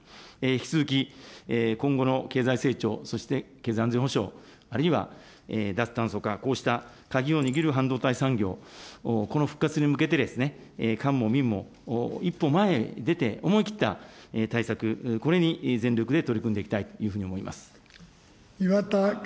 引き続き、今後の経済成長、そして経済安全保障、あるいは脱炭素化、こうした鍵を握る半導体産業、この復活に向けて、官も民も一歩前へ出て思い切った対策、これに全力で取り組んでいきたいというふうに思います。